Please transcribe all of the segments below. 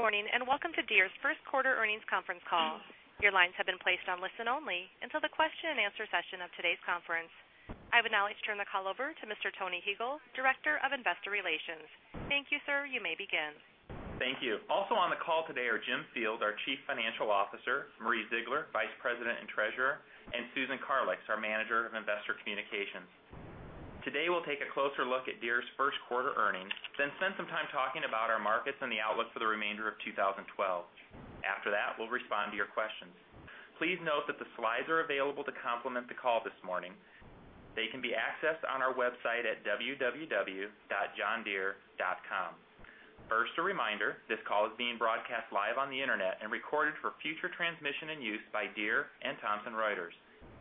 Good morning and welcome to Deere & Company's First Quarter Earnings Conference Call. Your lines have been placed on listen-only until the question-and-answer session of today's conference. I will now turn the call over to Mr. Tony Huegel, Director of Investor Relations. Thank you, sir. You may begin. Thank you. Also on the call today are Jim Field, our Chief Financial Officer, Marie Ziegler, Vice President and Treasurer, and Susan Karlix, our Manager of Investor Communications. Today, we'll take a closer look at Deere & Company's first quarter earnings, then spend some time talking about our markets and the outlook for the remainder of 2012. After that, we'll respond to your questions. Please note that the slides are available to complement the call this morning. They can be accessed on our website at www.johndeere.com. First, a reminder: this call is being broadcast live on the internet and recorded for future transmission and use by Deere & Company and Thomson Reuters.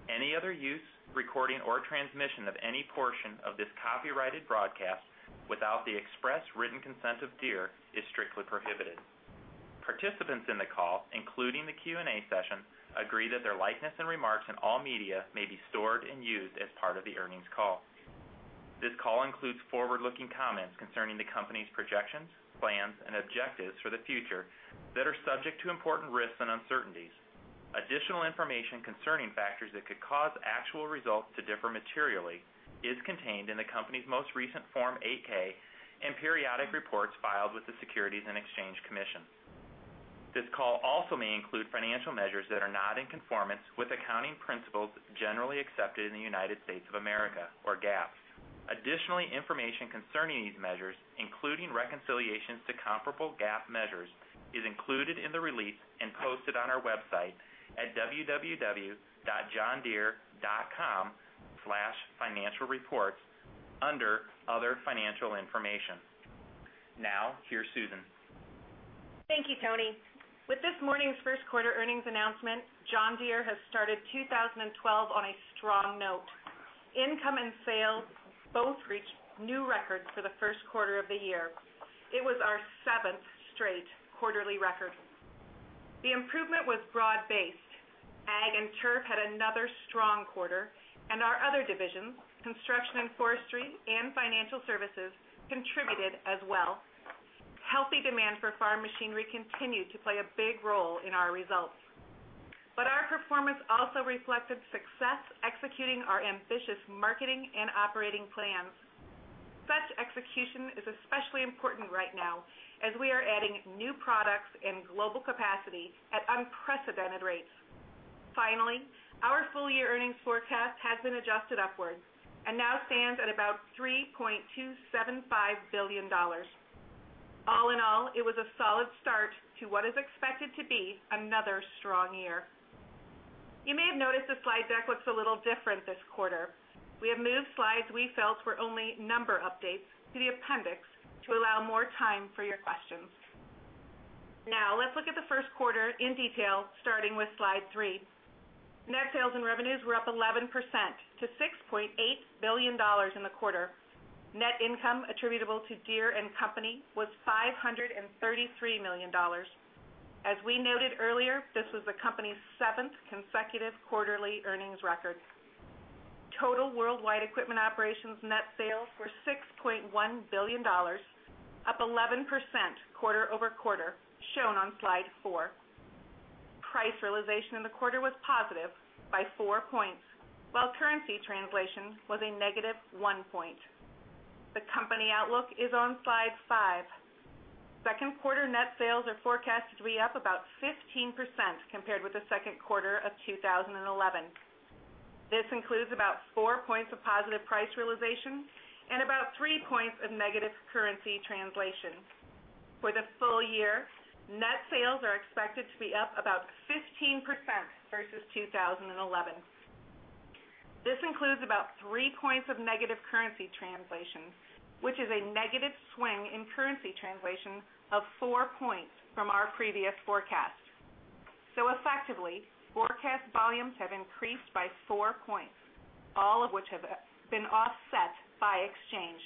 Any other use, recording, or transmission of any portion of this copyrighted broadcast without the express written consent of Deere & Company is strictly prohibited. Participants in the call, including the Q&A session, agree that their likeness and remarks in all media may be stored and used as part of the earnings call. This call includes forward-looking comments concerning the company's projections, plans, and objectives for the future that are subject to important risks and uncertainties. Additional information concerning factors that could cause actual results to differ materially is contained in the company's most recent Form 8-K and periodic reports filed with the Securities and Exchange Commission. This call also may include financial measures that are not in conformance with accounting principles generally accepted in the U.S., or GAAP. Additionally, information concerning these measures, including reconciliations to comparable GAAP measures, is included in the release and posted on our website at www.johndeere.com/financialreports under Other Financial Information. Now, here's Susan. Thank you, Tony. With this morning's first quarter earnings announcement, John Deere has started 2012 on a strong note. Income and sales both reached new records for the first quarter of the year. It was our seventh straight quarterly record. The improvement was broad-based. Ag and turf had another strong quarter, and our other divisions, construction and forestry, and financial services, contributed as well. Healthy demand for farm machinery continued to play a big role in our results. Our performance also reflected success executing our ambitious marketing and operating plans. Such execution is especially important right now, as we are adding new products and global capacity at unprecedented rates. Finally, our full-year earnings forecast has been adjusted upwards and now stands at about $3.275 billion. All in all, it was a solid start to what is expected to be another strong year. You may have noticed the slide deck looks a little different this quarter. We have moved slides we felt were only number updates to the appendix to allow more time for your questions. Now, let's look at the first quarter in detail, starting with slide 3. Net sales and revenues were up 11% to $6.8 billion in the quarter. Net income attributable to Deere & Company was $533 million. As we noted earlier, this was the company's seventh consecutive quarterly earnings record. Total worldwide equipment operations net sales were $6.1 billion, up 11% quarter-over-quarter, shown on slide 4. Price realization in the quarter was +4 points, while currency translation was a -1 point. The company outlook is on slide 5. Second quarter net sales are forecasted to be up about 15% compared with the second quarter of 2011. This includes about 4 points of positive price realization and about 3 points of negative currency translation. For the full year, net sales are expected to be up about 15% versus 2011. This includes about 3 points of negative currency translation, which is a negative swing in currency translation of 4 points from our previous forecast. Effectively, forecast volumes have increased by 4 points, all of which have been offset by exchange.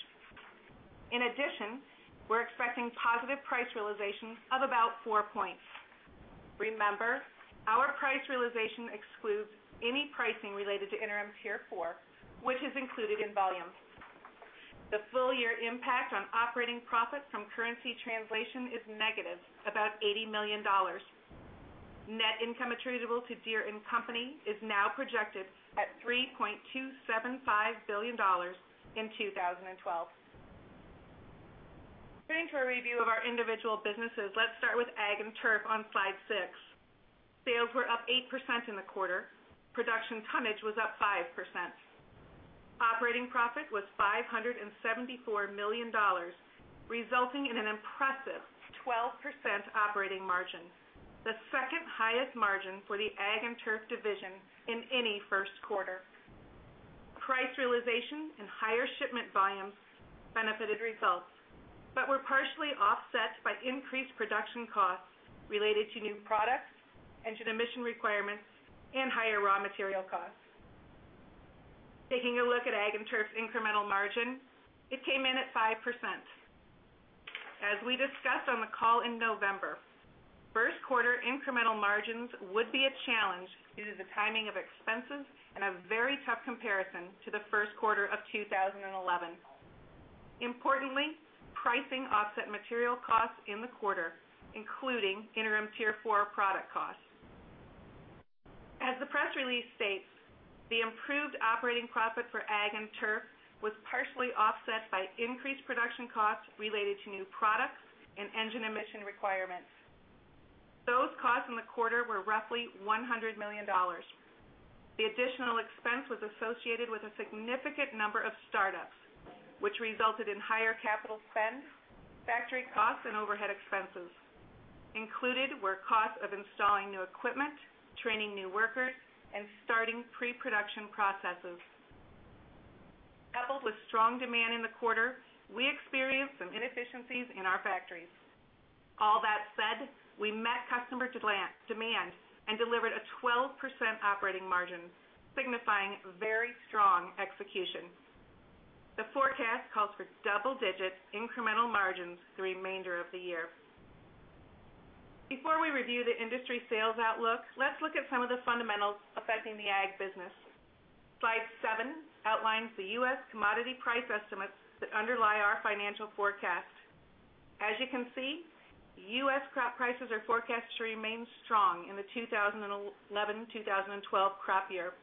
In addition, we're expecting positive price realization of about 4 points. Remember, our price realization excludes any pricing related to Interim Tier 4, which is included in volumes. The full-year impact on operating profit from currency translation is negative, about $80 million. Net income attributable to Deere & Company is now projected at $3.275 billion in 2012. Turning to our review of our individual businesses, let's start with ag and turf on slide 6. Sales were up 8% in the quarter. Production tonnage was up 5%. Operating profit was $574 million, resulting in an impressive 12% operating margin, the second highest margin for the ag and turf division in any first quarter. Price realization and higher shipment volumes benefited results, but were partially offset by increased production costs related to new products and to the emission requirements and higher raw material costs. Taking a look at ag and turf's incremental margin, it came in at 5%. As we discussed on the call in November, first quarter incremental margins would be a challenge due to the timing of expenses and a very tough comparison to the first quarter of 2011. Importantly, pricing offset material costs in the quarter, including Interim Tier 4 product costs. As the press release states, the improved operating profit for ag and turf was partially offset by increased production costs related to new products and engine emission requirements. Those costs in the quarter were roughly $100 million. The additional expense was associated with a significant number of startups, which resulted in higher capital spend, factory costs, and overhead expenses. Included were costs of installing new equipment, training new workers, and starting pre-production processes. Coupled with strong demand in the quarter, we experienced some inefficiencies in our factories. All that said, we met customer demand and delivered a 12% operating margin, signifying very strong execution. The forecast calls for double-digit incremental margins the remainder of the year. Before we review the industry sales outlook, let's look at some of the fundamentals affecting the ag business. Slide 7 outlines the U.S. commodity price estimates that underlie our financial forecast. As you can see, U.S. crop prices are forecast to remain strong in the 2011-2012 crop year,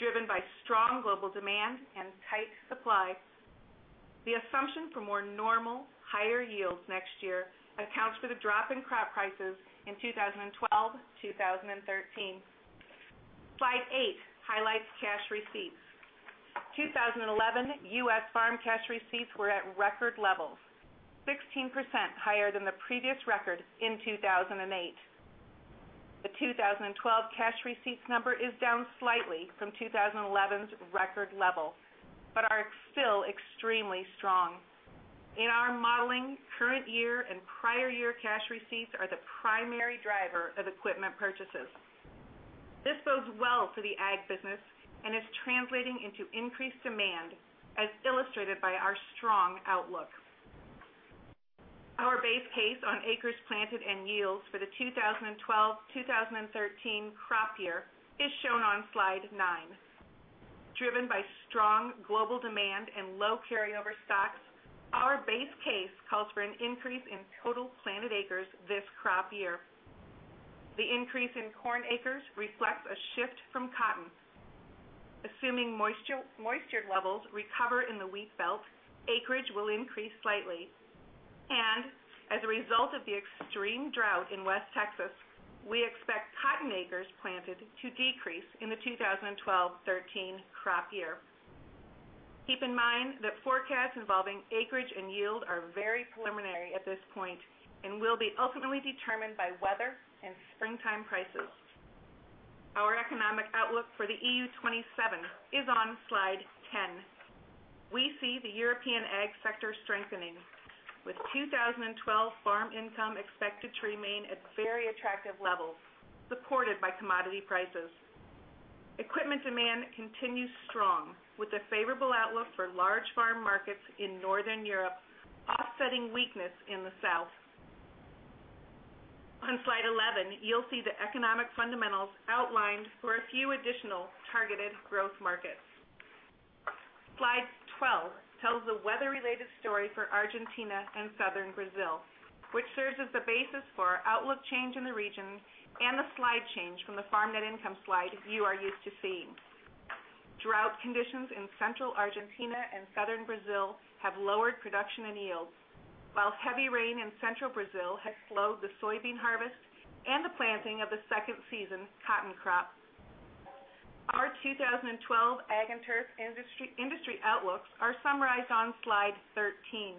driven by strong global demand and tight supplies. The assumption for more normal, higher yields next year accounts for the drop in crop prices in 2012-2013. Slide 8 highlights cash receipts. In 2011, U.S. farm cash receipts were at record levels, 16% higher than the previous record in 2008. The 2012 cash receipts number is down slightly from 2011's record level, but are still extremely strong. In our modeling, current year and prior year cash receipts are the primary driver of equipment purchases. This bodes well for the ag business and is translating into increased demand, as illustrated by our strong outlook. Our base case on acres planted and yields for the 2012-2013 crop year is shown on slide 9. Driven by strong global demand and low carryover stocks, our base case calls for an increase in total planted acres this crop year. The increase in corn acres reflects a shift from cotton. Assuming moisture levels recover in the wheat belt, acreage will increase slightly. As a result of the extreme drought in West Texas, we expect cotton acres planted to decrease in the 2012-2013 crop year. Keep in mind that forecasts involving acreage and yield are very preliminary at this point and will be ultimately determined by weather and springtime prices. Our economic outlook for the EU27 is on slide 10. We see the European ag sector strengthening, with 2012 farm income expected to remain at very attractive levels, supported by commodity prices. Equipment demand continues strong, with a favorable outlook for large farm markets in Northern Europe offsetting weakness in the South. On slide 11, you'll see the economic fundamentals outlined for a few additional targeted growth markets. Slide 12 tells the weather-related story for Argentina and southern Brazil, which serves as the basis for our outlook change in the region and the slide change from the farm net income slide you are used to seeing. Drought conditions in central Argentina and southern Brazil have lowered production and yields, while heavy rain in central Brazil has slowed the soybean harvest and the planting of the second-season cotton crop. Our 2012 ag and turf industry outlooks are summarized on slide 13.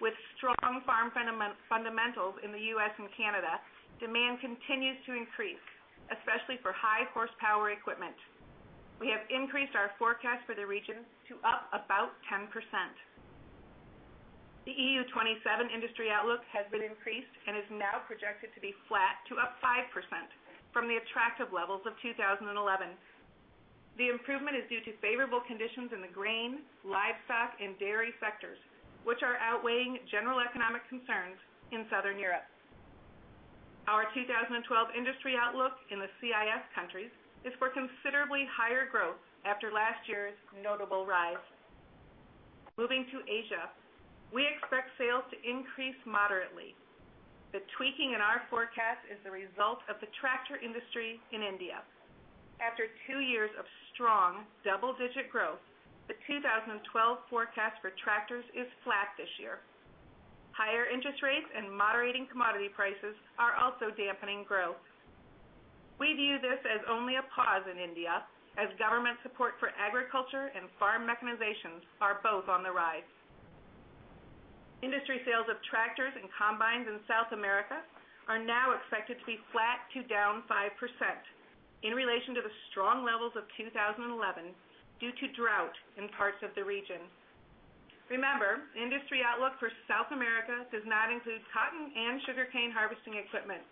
With strong farm fundamentals in the U.S. and Canada, demand continues to increase, especially for high-horsepower equipment. We have increased our forecast for the region to up about 10%. The EU27 industry outlook has been increased and is now projected to be flat to up 5% from the attractive levels of 2011. The improvement is due to favorable conditions in the grain, livestock, and dairy sectors, which are outweighing general economic concerns in southern Europe. Our 2012 industry outlook in the CIS countries is for considerably higher growth after last year's notable rise. Moving to Asia, we expect sales to increase moderately. The tweaking in our forecast is the result of the tractor industry in India. After two years of strong double-digit growth, the 2012 forecast for tractors is flat this year. Higher interest rates and moderating commodity prices are also dampening growth. We view this as only a pause in India, as government support for agriculture and farm mechanization are both on the rise. Industry sales of tractors and combines in South America are now expected to be flat to down 5% in relation to the strong levels of 2011 due to drought in parts of the region. Remember, industry outlook for South America does not include cotton and sugarcane harvesting equipment,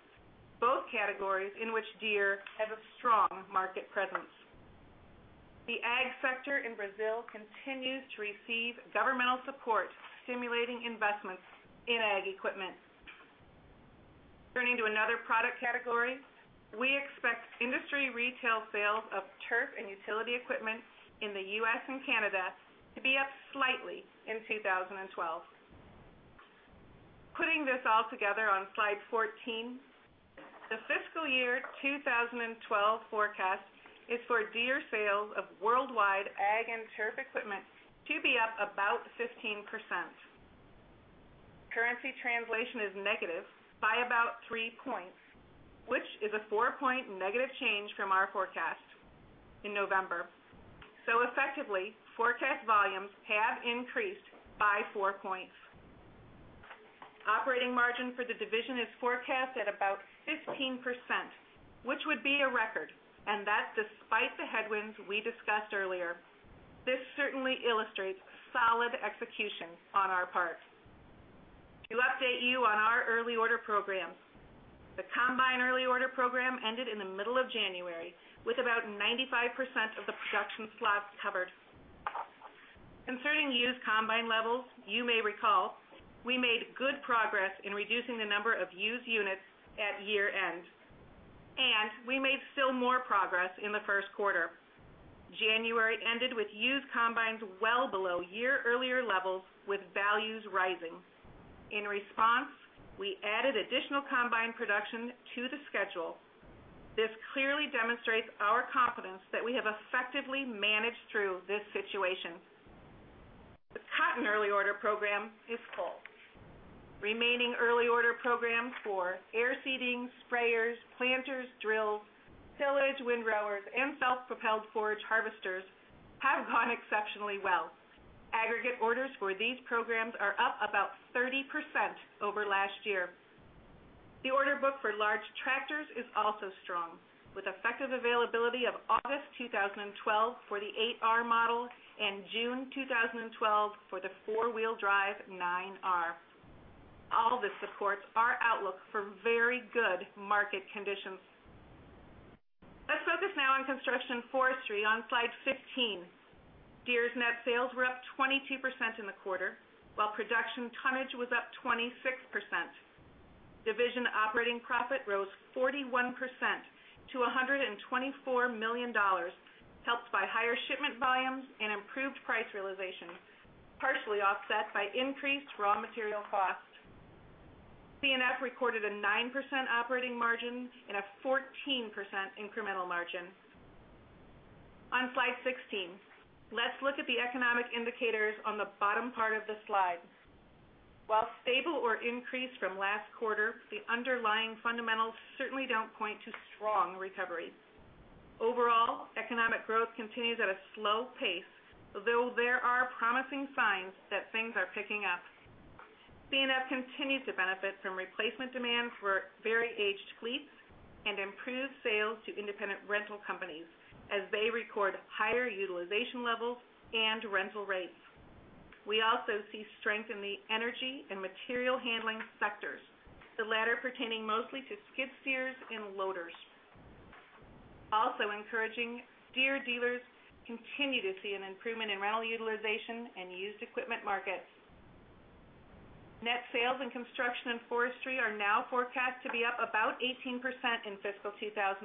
both categories in which Deere has a strong market presence. The ag sector in Brazil continues to receive governmental support stimulating investments in ag equipment. Turning to another product category, we expect industry retail sales of turf and utility equipment in the U.S. and Canada to be up slightly in 2012. Putting this all together on slide 14, the fiscal year 2012 forecast is for Deere sales of worldwide ag and turf equipment to be up about 15%. Currency translation is negative by about 3 points, which is a 4-point negative change from our forecast in November. Effectively, forecast volumes have increased by 4 points. Operating margin for the division is forecast at about 15%, which would be a record, and that's despite the headwinds we discussed earlier. This certainly illustrates solid execution on our part. To update you on our early order programs, the combine early order program ended in the middle of January, with about 95% of the production slots covered. Concerning used combine levels, you may recall, we made good progress in reducing the number of used units at year-end. We made still more progress in the first quarter. January ended with used combines well below year-earlier levels, with values rising. In response, we added additional combine production to the schedule. This clearly demonstrates our confidence that we have effectively managed through this situation. The cotton early order program is full. Remaining early order programs for air seeding, sprayers, planters, drills, tillage, windrowers, and self-propelled forage harvesters have gone exceptionally well. Aggregate orders for these programs are up about 30% over last year. The order book for large tractors is also strong, with effective availability of August 2012 for the 8R model and June 2012 for the four-wheel drive 9R. All this supports our outlook for very good market conditions. Let's focus now on construction and forestry on slide 15. Deere's net sales were up 22% in the quarter, while production tonnage was up 26%. Division operating profit rose 41% to $124 million, helped by higher shipment volumes and improved price realization, partially offset by increased raw material costs. C&F recorded a 9% operating margin and a 14% incremental margin. On slide 16, let's look at the economic indicators on the bottom part of the slide. While stable or increased from last quarter, the underlying fundamentals certainly don't point to strong recovery. Overall, economic growth continues at a slow pace, though there are promising signs that things are picking up. C&F continued to benefit from replacement demand for very aged fleets and improved sales to independent rental companies, as they record higher utilization levels and rental rates. We also see strength in the energy and material handling sectors, the latter pertaining mostly to skid steers and loaders. Also, encouraging, Deere dealers continue to see an improvement in rental utilization and used equipment markets. Net sales in construction and forestry are now forecast to be up about 18% in fiscal 2012,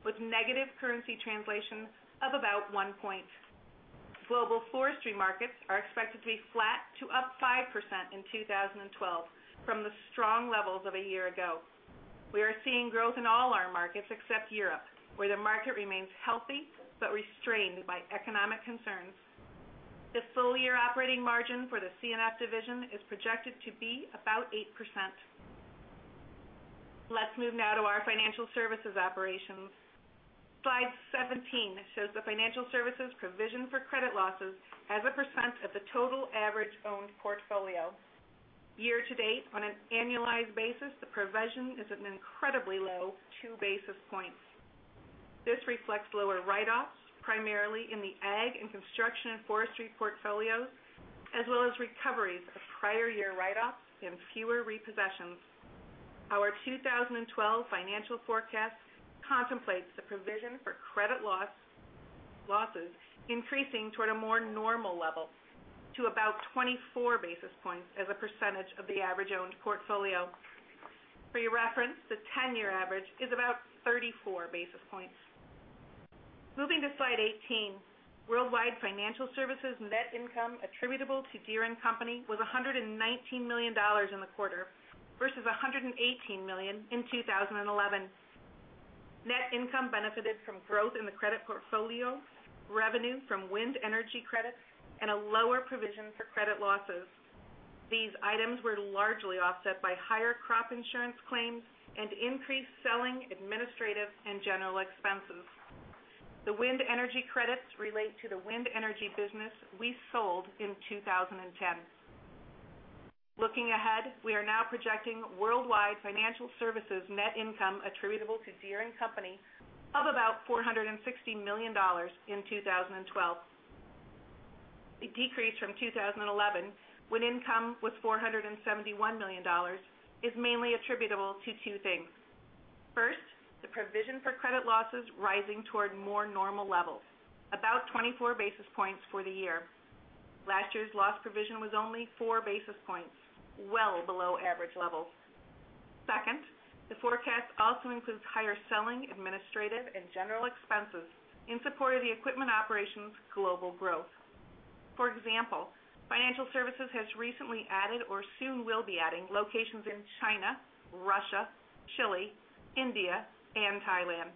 with negative currency translation of about 1 point. Global forestry markets are expected to be flat to up 5% in 2012 from the strong levels of a year ago. We are seeing growth in all our markets except Europe, where the market remains healthy but restrained by economic concerns. The full-year operating margin for the C&F division is projected to be about 8%. Let's move now to our financial services operations. Slide 17 shows the financial services provision for credit losses as a percent of the total average owned portfolio. Year to date, on an annualized basis, the provision is at an incredibly low two basis points. This reflects lower write-offs, primarily in the ag and construction and forestry portfolios, as well as recoveries of prior year write-offs and fewer repossessions. Our 2012 financial forecast contemplates the provision for credit losses increasing toward a more normal level to about 24 basis points as a percentage of the average owned portfolio. For your reference, the 10-year average is about 34 basis points. Moving to slide 18, worldwide financial services net income attributable to Deere & Company was $119 million in the quarter versus $118 million in 2011. Net income benefited from growth in the credit portfolio, revenue from wind energy credits, and a lower provision for credit losses. These items were largely offset by higher crop insurance claims and increased selling, administrative, and general expenses. The wind energy credits relate to the wind energy business we sold in 2010. Looking ahead, we are now projecting worldwide financial services net income attributable to Deere & Company of about $460 million in 2012. The decrease from 2011, when income was $471 million, is mainly attributable to two things. First, the provision for credit losses rising toward more normal levels, about 24 basis points for the year. Last year's loss provision was only 4 basis points, well below average levels. Second, the forecast also includes higher selling, administrative, and general expenses in support of the equipment operation's global growth. For example, financial services has recently added or soon will be adding locations in China, Russia, Chile, India, and Thailand.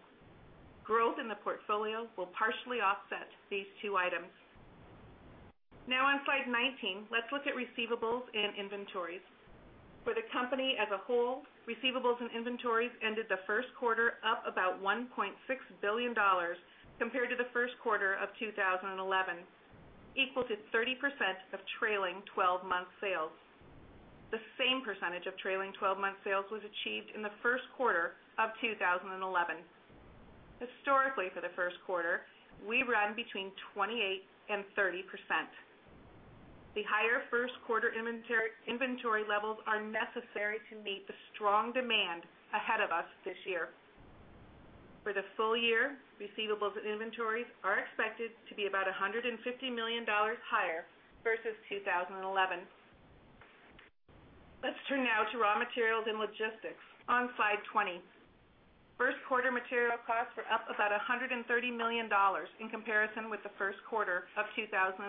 Growth in the portfolio will partially offset these two items. Now, on slide 19, let's look at receivables and inventories. For the company as a whole, receivables and inventories ended the first quarter up about $1.6 billion compared to the first quarter of 2011, equal to 30% of trailing 12-month sales. The same percentage of trailing 12-month sales was achieved in the first quarter of 2011. Historically, for the first quarter, we run between 28% and 30%. The higher first-quarter inventory levels are necessary to meet the strong demand ahead of us this year. For the full year, receivables and inventories are expected to be about $150 million higher versus 2011. Let's turn now to raw materials and logistics on slide 20. First-quarter material costs were up about $130 million in comparison with the first quarter of 2011.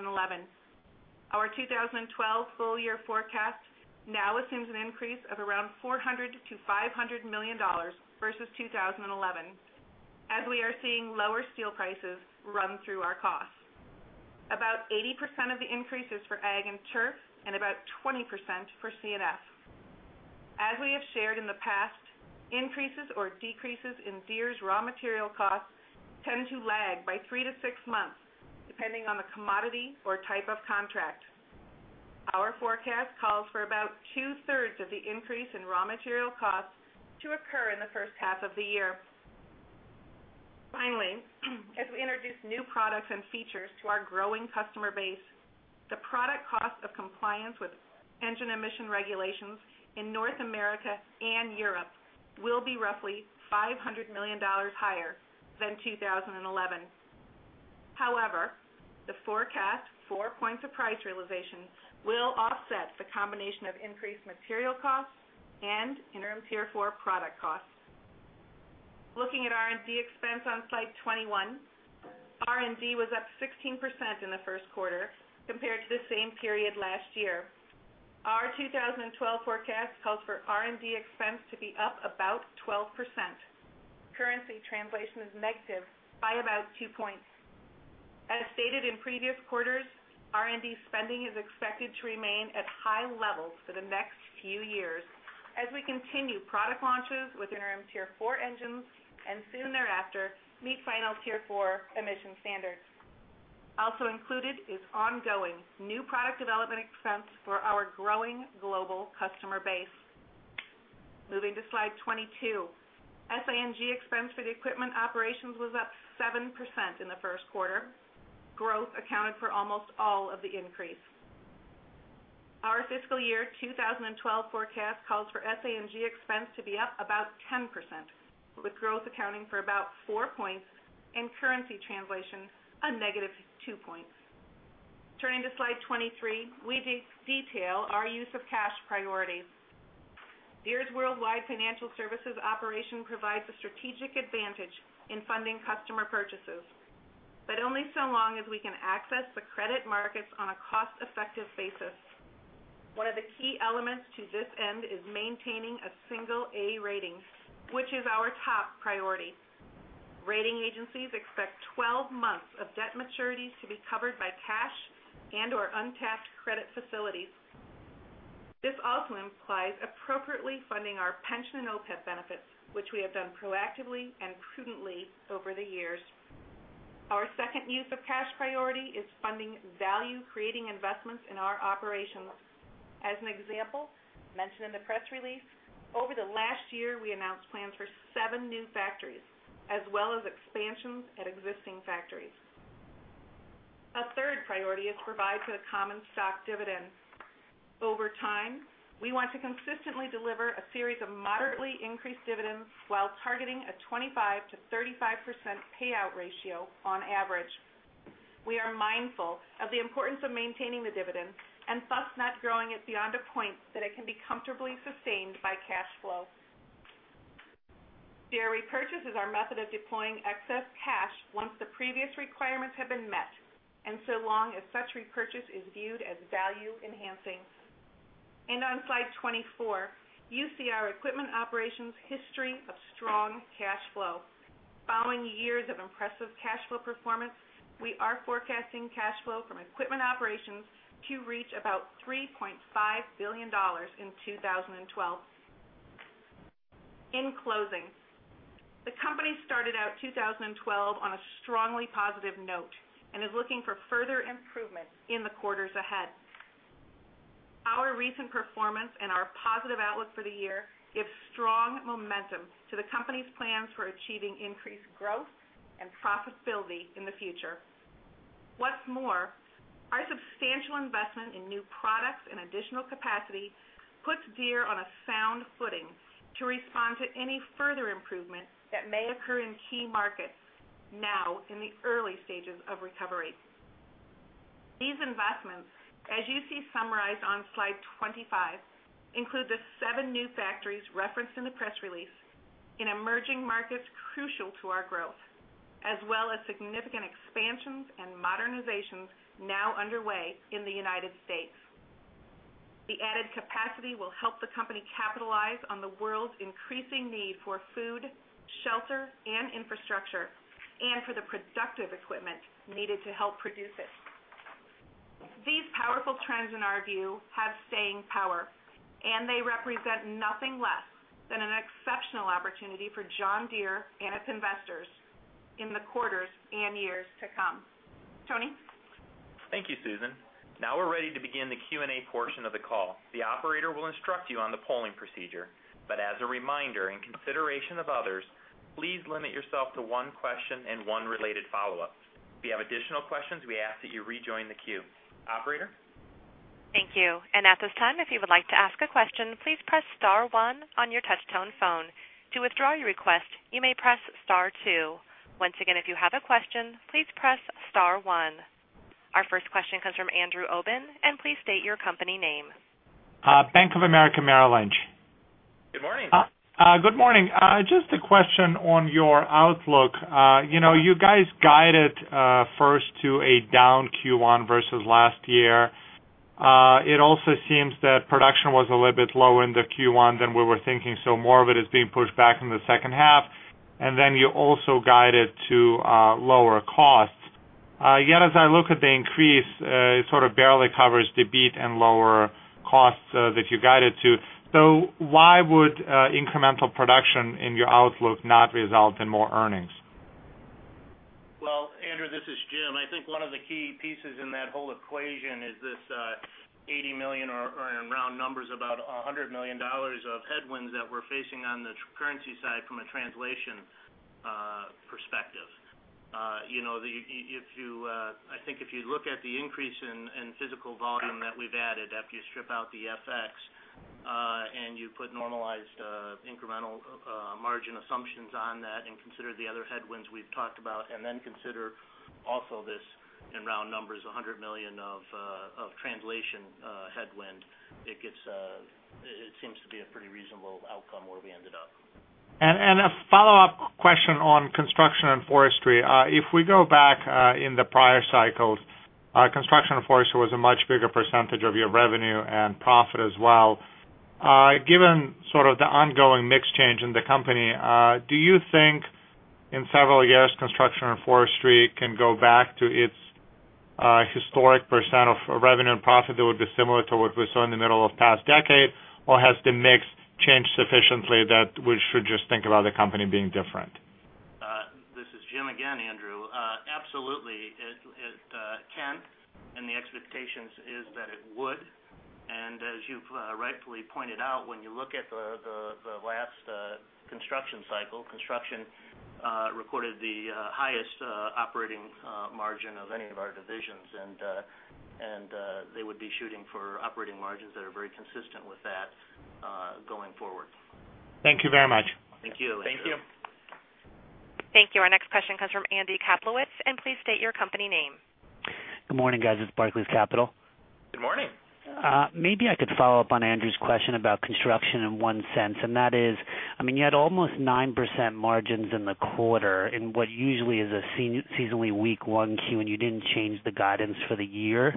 Our 2012 full-year forecast now assumes an increase of around $400 million-$500 million versus 2011, as we are seeing lower steel prices run through our costs. About 80% of the increase is for ag and turf and about 20% for C&F. As we have shared in the past, increases or decreases in Deere's raw material costs tend to lag by 3-6 months, depending on the commodity or type of contract. Our forecast calls for about 2/3 of the increase in raw material costs to occur in the first half of the year. Finally, as we introduce new products and features to our growing customer base, the product cost of compliance with engine emission regulations in North America and Europe will be roughly $500 million higher than 2011. However, the forecast 4 points of price realization will offset the combination of increased material costs and Interim Tier 4 product costs. Looking at R&D expense on slide 21, R&D was up 16% in the first quarter compared to the same period last year. Our 2012 forecast calls for R&D expense to be up about 12%. Currency translation is negative by about two points. As stated in previous quarters, R&D spending is expected to remain at high levels for the next few years as we continue product launches with Interim Tier 4 engines and soon thereafter meet final Tier 4 emission standards. Also included is ongoing new product development expense for our growing global customer base. Moving to slide 22, SANG expense for the equipment operations was up 7% in the first quarter. Growth accounted for almost all of the increase. Our fiscal year 2012 forecast calls for SANG expense to be up about 10%, with growth accounting for about 4 points and currency translation a negative two points. Turning to slide 23, we detail our use of cash priorities. Deere's worldwide financial services operation provides a strategic advantage in funding customer purchases, but only so long as we can access the credit markets on a cost-effective basis. One of the key elements to this end is maintaining a single A rating, which is our top priority. Rating agencies expect 12 months of debt maturities to be covered by cash and/or untapped credit facilities. This also implies appropriately funding our pension and OPEP benefits, which we have done proactively and prudently over the years. Our second use of cash priority is funding value-creating investments in our operations. As an example, mentioned in the press release, over the last year, we announced plans for seven new factories, as well as expansions at existing factories. A third priority is to provide for the common stock dividend. Over time, we want to consistently deliver a series of moderately increased dividends while targeting a 25%-35% payout ratio on average. We are mindful of the importance of maintaining the dividend and thus not growing it beyond a point that it can be comfortably sustained by cash flow. Deere repurchases are a method of deploying excess cash once the previous requirements have been met, so long as such repurchase is viewed as value enhancing. On slide 24, you see our equipment operations' history of strong cash flow. Following years of impressive cash flow performance, we are forecasting cash flow from equipment operations to reach about $3.5 billion in 2012. In closing, the company started out 2012 on a strongly positive note and is looking for further improvement in the quarters ahead. Our recent performance and our positive outlook for the year give strong momentum to the company's plans for achieving increased growth and profitability in the future. What's more, our substantial investment in new products and additional capacity puts Deere on a sound footing to respond to any further improvement that may occur in key markets now in the early stages of recovery. These investments, as you see summarized on slide 25, include the seven new factories referenced in the press release in emerging markets crucial to our growth, as well as significant expansions and modernizations now underway in the United States. The added capacity will help the company capitalize on the world's increasing need for food, shelter, and infrastructure, and for the productive equipment needed to help produce it. These powerful trends, in our view, have staying power, and they represent nothing less than an exceptional opportunity for John Deere and its investors in the quarters and years to come. Tony. Thank you, Susan. Now we're ready to begin the Q&A portion of the call. The operator will instruct you on the polling procedure. As a reminder and consideration of others, please limit yourself to one question and one related follow-up. If you have additional questions, we ask that you rejoin the queue. Operator? Thank you. At this time, if you would like to ask a question, please press star one on your touch-tone phone. To withdraw your request, you may press star two. Once again, if you have a question, please press star one. Our first question comes from Andrew Obin, and please state your company name. Bank of America Merrill Lynch. Good morning. Good morning. Just a question on your outlook. You know, you guys guided first to a down Q1 versus last year. It also seems that production was a little bit lower in the Q1 than we were thinking, so more of it is being pushed back in the second half. You also guided to lower costs. Yet, as I look at the increase, it sort of barely covers the beat and lower costs that you guided to. Why would incremental production in your outlook not result in more earnings? Andrew, this is Jim. I think one of the key pieces in that whole equation is this $80 million or in round numbers, about $100 million of headwinds that we're facing on the currency side from a translation perspective. I think if you look at the increase in physical volume that we've added after you strip out the FX and you put normalized incremental margin assumptions on that and consider the other headwinds we've talked about and then consider also this, in round numbers, $100 million of translation headwind, it seems to be a pretty reasonable outcome where we ended up. A follow-up question on construction and forestry. If we go back in the prior cycles, construction and forestry was a much bigger percentage of your revenue and profit as well. Given sort of the ongoing mix change in the company, do you think in several years construction and forestry can go back to its historic percentage of revenue and profit that would be similar to what we saw in the middle of the past decade, or has the mix changed sufficiently that we should just think about the company being different? This is Jim again, Andrew. Absolutely, it can, and the expectation is that it would. As you've rightfully pointed out, when you look at the last construction cycle, construction recorded the highest operating margin of any of our divisions, and they would be shooting for operating margins that are very consistent with that going forward. Thank you very much. Thank you. Thank you. Thank you. Our next question comes from Andy Kaplowitz, and please state your company name. Good morning, guys. It's Barclays Capital. Good morning. Maybe I could follow up on Andrew's question about construction in one sense, and that is, I mean, you had almost 9% margins in the quarter in what usually is a seasonally weak one-Q, and you didn't change the guidance for the year.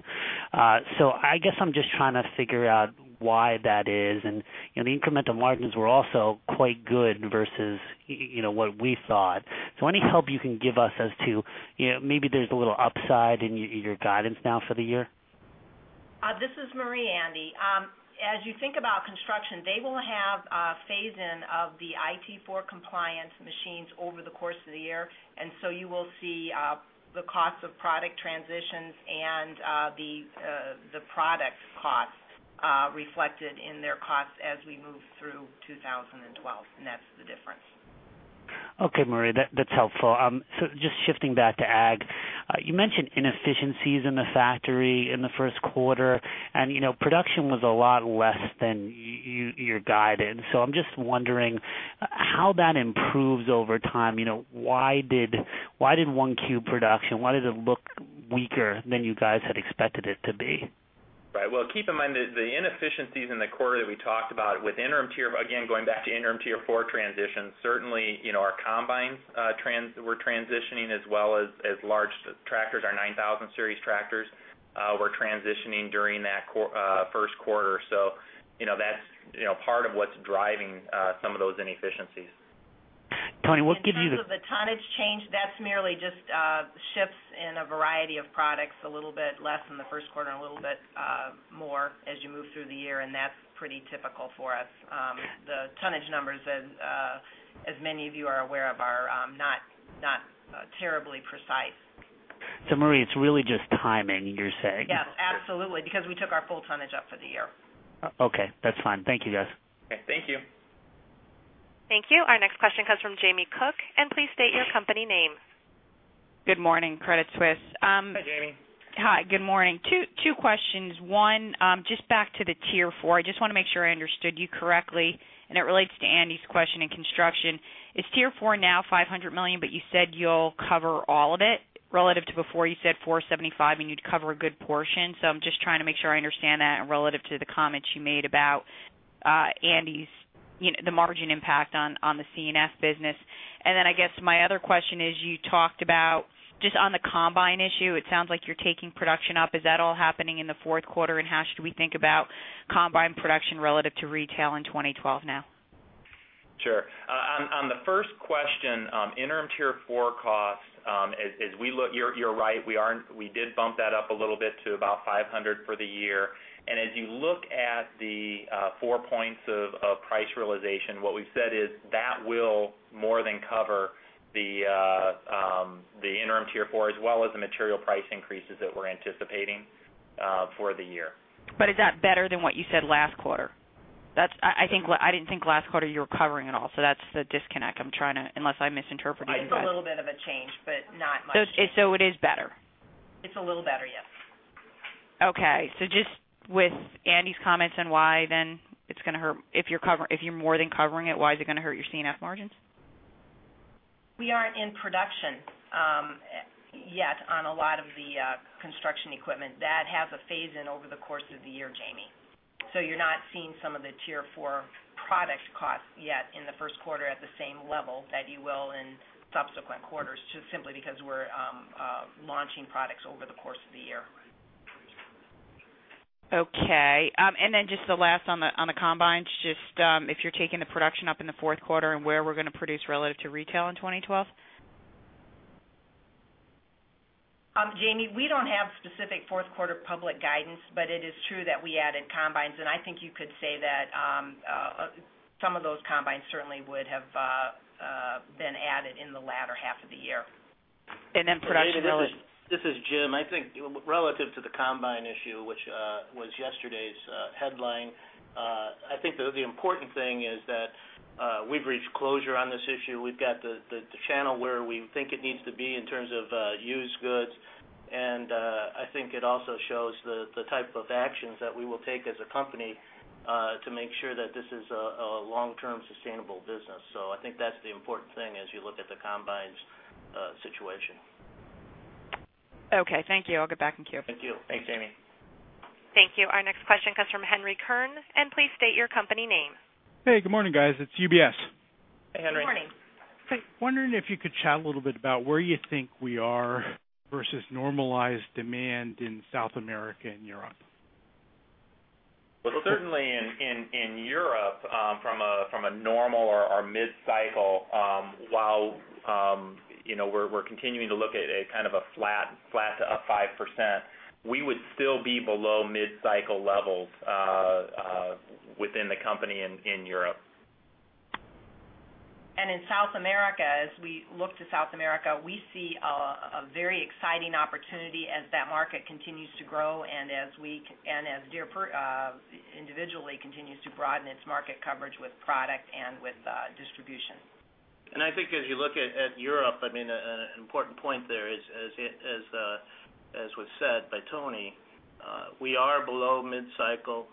I guess I'm just trying to figure out why that is, and you know the incremental margins were also quite good versus you know what we thought. Any help you can give us as to, you know, maybe there's a little upside in your guidance now for the year? This is Marie, Andy. As you think about construction, they will have a phase-in of the Interim Tier 4 engine compliance machines over the course of the year, and you will see the costs of product transitions and the product costs reflected in their costs as we move through 2012, and that's the difference. Okay, Marie, that's helpful. Just shifting back to ag, you mentioned inefficiencies in the factory in the first quarter, and you know production was a lot less than you’re guided. I'm just wondering how that improves over time. You know, why did first quarter production, why did it look weaker than you guys had expected it to be? Right. Keep in mind that the inefficiencies in the quarter that we talked about with Interim Tier 4, again, going back to Interim Tier 4 transitions, certainly you know our combines were transitioning as well as large tractors, our 9000 Series tractors were transitioning during that first quarter. That's part of what's driving some of those inefficiencies. Tony, we'll give you the floor. The tonnage change is merely just shifts in a variety of products, a little bit less in the first quarter and a little bit more as you move through the year, and that's pretty typical for us. The tonnage numbers, as many of you are aware of, are not terribly precise. Marie, it's really just timing, you're saying? Yeah, absolutely, because we took our full tonnage up for the year. Okay, that's fine. Thank you, guys. Okay, thank you. Thank you. Our next question comes from Jamie Cook, and please state your company name. Good morning, Credit Suisse. Hi, Jamie. Hi, good morning. Two questions. One, just back to the Tier 4, I just want to make sure I understood you correctly, and it relates to Andy's question in construction. Is Tier 4 now $500 million, but you said you'll cover all of it? Relative to before, you said $475 million, and you'd cover a good portion. I'm just trying to make sure I understand that relative to the comments you made about Andy's margin impact on the C&F business. My other question is you talked about just on the combine issue, it sounds like you're taking production up. Is that all happening in the fourth quarter, and how should we think about combine production relative to retail in 2012 now? Sure. On the first question, Interim Tier 4 costs, as we look, you're right, we did bump that up a little bit to about $500 for the year. As you look at the 4 points of price realization, what we've said is that will more than cover the Interim Tier 4 as well as the material price increases that we're anticipating for the year. Is that better than what you said last quarter? I think I didn't think last quarter you were covering it all, so that's the disconnect I'm trying to, unless I misinterpreted it. It's a little bit of a change, but not much. Is it better? It's a little better, yes. Okay. With Andy's comments and why it's going to hurt, if you're more than covering it, why is it going to hurt your C&F margins? We aren't in production yet on a lot of the construction equipment that has a phase-in over the course of the year, Jamie. You're not seeing some of the Tier 4 product costs yet in the first quarter at the same level that you will in subsequent quarters just simply because we're launching products over the course of the year. Okay. Just the last on the combines, if you're taking the production up in the fourth quarter and where we're going to produce relative to retail in 2012? Jamie, we don't have specific fourth quarter public guidance, but it is true that we added combines, and I think you could say that some of those combines certainly would have been added in the latter half of the year. Production issues. This is Jim. I think relative to the combine issue, which was yesterday's headline, the important thing is that we've reached closure on this issue. We've got the channel where we think it needs to be in terms of used goods, and it also shows the type of actions that we will take as a company to make sure that this is a long-term sustainable business. I think that's the important thing as you look at the combines situation. Okay, thank you. I'll get back in queue. Thank you. Thanks, Jamie. Thank you. Our next question comes from Henry Kirn, and please state your company name. Hey, good morning, guys. It's UBS. Hey, Henry. Good morning. I'm wondering if you could chat a little bit about where you think we are versus normalized demand in South America and Europe. Certainly in Europe, from a normal or mid-cycle, while we're continuing to look at kind of a flat 5%, we would still be below mid-cycle levels within the company in Europe. In South America, as we look to South America, we see a very exciting opportunity as that market continues to grow and as Deere individually continues to broaden its market coverage with product and with distribution. I think as you look at Europe, an important point there is, as was said by Tony, we are below mid-cycle.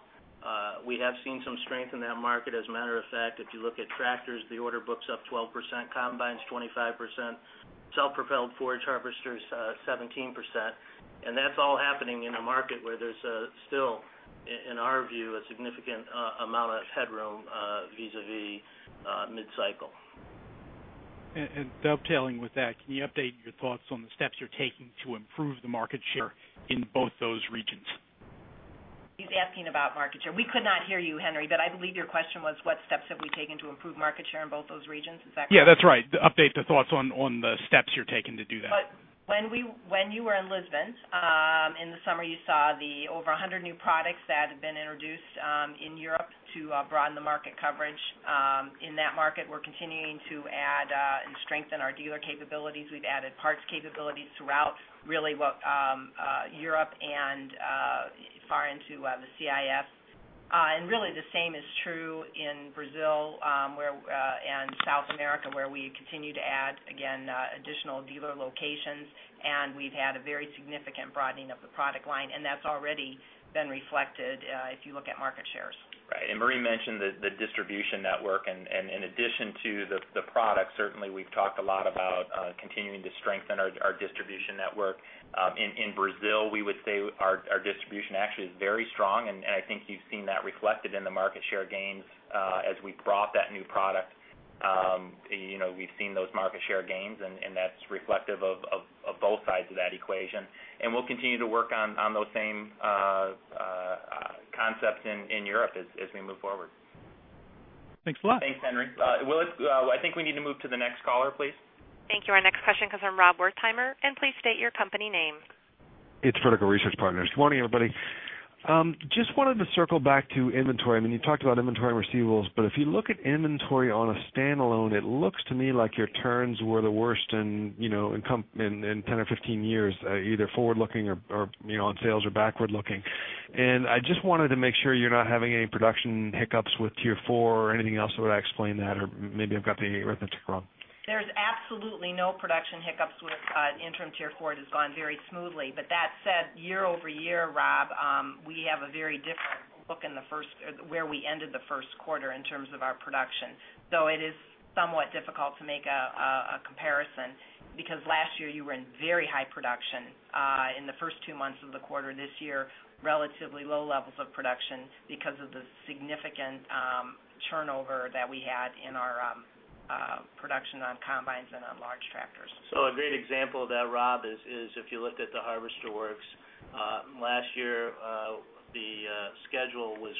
We have seen some strength in that market. As a matter of fact, if you look at tractors, the order book's up 12%, combines 25%, self-propelled forage harvesters 17%. That's all happening in a market where there's still, in our view, a significant amount of headroom vis-à-vis mid-cycle. Can you update your thoughts on the steps you're taking to improve the market share in both those regions? He's asking about market share. We could not hear you, Henry, but I believe your question was, what steps have we taken to improve market share in both those regions? Yeah, that's right. Update the thoughts on the steps you're taking to do that. When you were in Lisbon in the summer, you saw over 100 new products that had been introduced in Europe to broaden the market coverage. In that market, we're continuing to add and strengthen our dealer capabilities. We've added parts capabilities throughout really what Europe and far into the CIS. Really, the same is true in Brazil and South America, where we continue to add, again, additional dealer locations, and we've had a very significant broadening of the product line, and that's already been reflected if you look at market shares. Right. Marie mentioned the distribution network, and in addition to the products, certainly we've talked a lot about continuing to strengthen our distribution network. In Brazil, we would say our distribution actually is very strong, and I think you've seen that reflected in the market share gains as we brought that new product. We've seen those market share gains, and that's reflective of both sides of that equation. We'll continue to work on those same concepts in Europe as we move forward. Thanks a lot. Thanks, Henry. I think we need to move to the next caller, please. Thank you. Our next question comes from Rob Wertheimer, and please state your company name. It's Vertical Research Partners. Good morning, everybody. Just wanted to circle back to inventory. You talked about inventory and receivables, but if you look at inventory on a standalone, it looks to me like your turns were the worst in 10 or 15 years, either forward-looking or on sales or backward-looking. I just wanted to make sure you're not having any production hiccups with Interim Tier 4 or anything else that would explain that, or maybe I've got the arithmetic wrong. There's absolutely no production hiccups with Interim Tier 4. It has gone very smoothly. That said, year-over-year, Rob, we have a very different look in the first where we ended the first quarter in terms of our production. It is somewhat difficult to make a comparison because last year you were in very high production in the first two months of the quarter. This year, relatively low levels of production because of the significant turnover that we had in our production on combines and on large tractors. A great example of that, Rob, is if you looked at the harvester works last year, the schedule was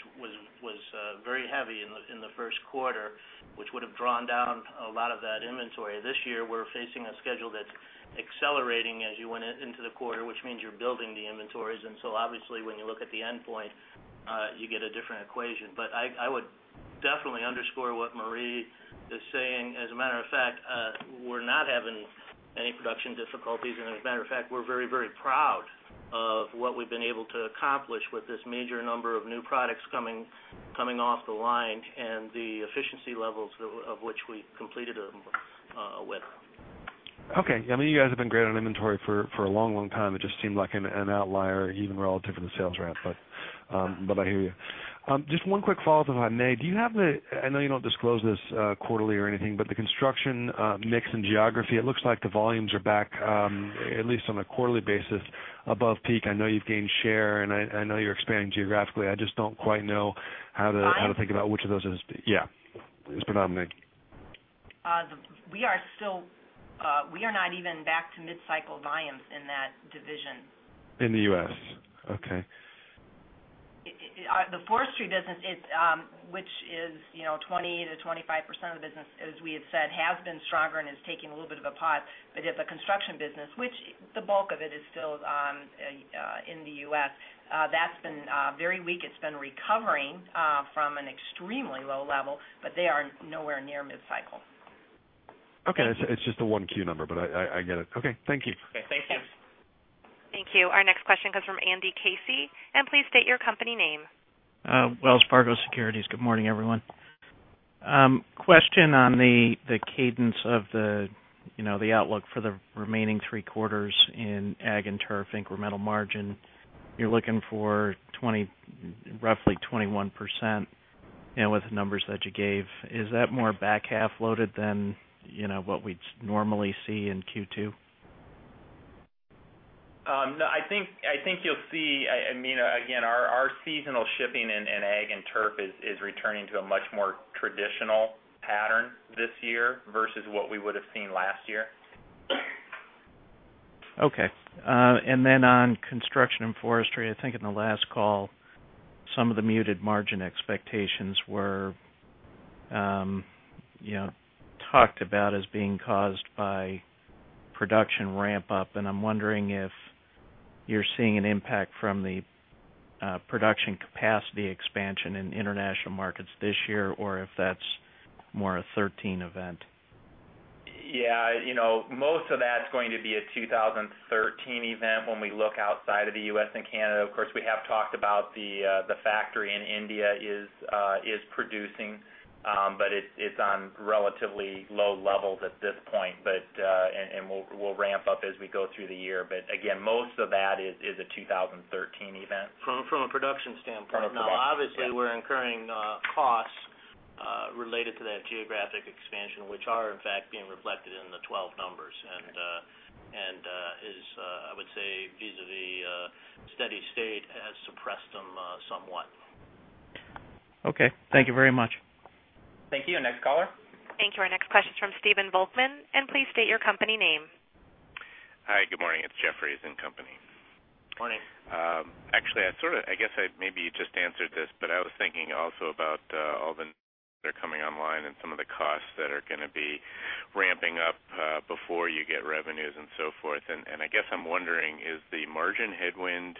very heavy in the first quarter, which would have drawn down a lot of that inventory. This year, we're facing a schedule that's accelerating as you went into the quarter, which means you're building the inventories. Obviously, when you look at the endpoint, you get a different equation. I would definitely underscore what Marie is saying. As a matter of fact, we're not having any production difficulties. As a matter of fact, we're very, very proud of what we've been able to accomplish with this major number of new products coming off the line and the efficiency levels of which we completed a winner. Okay. Yeah, I mean, you guys have been great on inventory for a long, long time. It just seemed like an outlier even relative to the sales ramp. I hear you. Just one quick follow-up, if I may. Do you have the—I know you don't disclose this quarterly or anything, but the construction mix and geography, it looks like the volumes are back, at least on a quarterly basis, above peak. I know you've gained share, and I know you're expanding geographically. I just don't quite know how to think about which of those is, yeah, is predominating. We are not even back to mid-cycle volumes in that division. In the U.S. Okay. The forestry business, which is 20%-25% of the business, as we had said, has been stronger and is taking a little bit of a pause. The construction business, which the bulk of it is still in the U.S., that's been very weak. It's been recovering from an extremely low level, but they are nowhere near mid-cycle. Okay. It's just the one Q number, but I get it. Okay. Thank you. Okay. Thanks, James. Thank you. Our next question comes from Andy Casey, and please state your company name. Wells Fargo Securities. Good morning, everyone. Question on the cadence of the outlook for the remaining three quarters in ag and turf incremental margin. You're looking for roughly 21% with the numbers that you gave. Is that more back half loaded than what we normally see in Q2? No, I think you'll see, I mean, again, our seasonal shipping in ag and turf is returning to a much more traditional pattern this year versus what we would have seen last year. Okay. On construction and forestry, I think in the last call, some of the muted margin expectations were talked about as being caused by production ramp-up. I'm wondering if you're seeing an impact from the production capacity expansion in international markets this year or if that's more a 2013 event. Yeah, you know, most of that's going to be a 2013 event when we look outside of the U.S. and Canada. Of course, we have talked about the factory in India is producing, but it's on relatively low levels at this point. We'll ramp up as we go through the year. Again, most of that is a 2013 event. From a production standpoint, obviously, we're incurring costs related to that geographic expansion, which are, in fact, being reflected in the 12 numbers. I would say vis-à-vis steady state has suppressed them somewhat. Okay, thank you very much. Thank you. Next caller. Thank you. Our next question is from Steven Volkmann, and please state your company name. All right. Good morning. It's Jefferies & Company. Morning. I guess you just answered this, but I was thinking also about all the news that are coming online and some of the costs that are going to be ramping up before you get revenues and so forth. I guess I'm wondering, is the margin headwind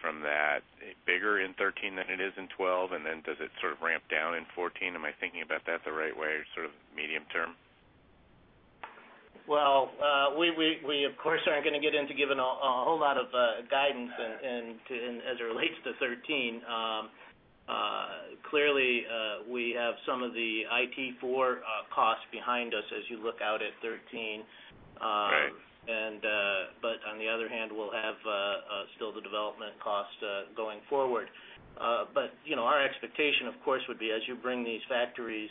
from that bigger in 2013 than it is in 2012? Does it sort of ramp down in 2014? Am I thinking about that the right way, sort of medium-term? Of course, we aren't going to get into giving a whole lot of guidance as it relates to 2013. Clearly, we have some of the Interim Tier 4 engine costs behind us as you look out at 2013, but on the other hand, we'll have still the development cost going forward. You know our expectation, of course, would be as you bring these factories